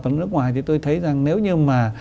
còn nước ngoài thì tôi thấy rằng nếu như mà